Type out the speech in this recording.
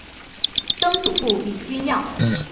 曾祖父李均亮。